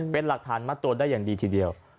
เป็นหลักฐานมัดตัวได้อย่างดีทีเดียว